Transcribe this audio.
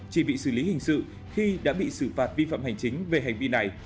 chỉ bị xử lý hình sự khi đã bị xử phạt vi phạm hành chính về hành vi này